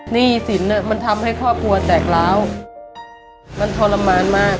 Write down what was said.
หนี้สินมันทำให้ครอบครัวแตกร้าวมันทรมานมาก